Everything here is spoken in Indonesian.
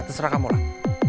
terserah kamu lah